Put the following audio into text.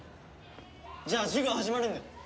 じゃあ授業始まるんで。